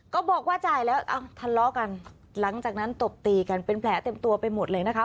บอกว่าจ่ายแล้วทะเลาะกันหลังจากนั้นตบตีกันเป็นแผลเต็มตัวไปหมดเลยนะคะ